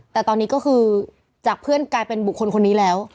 แต่ตอนนี้ก็คือจากเพื่อนกลายเป็นบุคคลคนนี้แล้ว